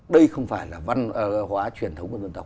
đây không phải là văn hóa truyền thống của dân tộc